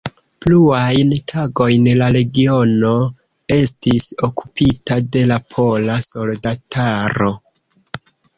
Pluajn tagojn la regiono estis okupita de la pola soldataro.